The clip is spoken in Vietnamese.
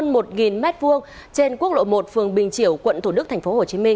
mét vuông trên quốc lộ một phường bình chiểu quận thủ đức tp hcm